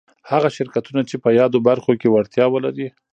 هغه شرکتونه چي په يادو برخو کي وړتيا ولري